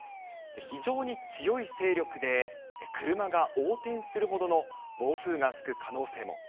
非常に強い勢力で、車が横転するほどの暴風が吹く可能性も。